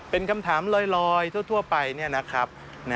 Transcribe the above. เป็นคำถามลอยทั่วไปนะครับ